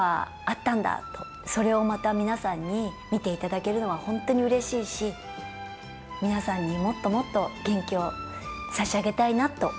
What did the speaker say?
それをまた皆さんに見ていただけるのは本当にうれしいし皆さんにもっともっと元気を差し上げたいなと思ってます。